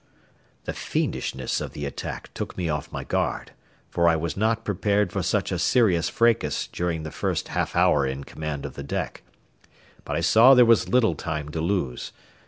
The fiendishness of the attack took me off my guard, for I was not prepared for such a serious fracas during the first half hour in command of the deck; but I saw there was little time to lose.